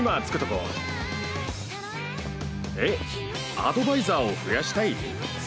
アドバイザーを増やしたい？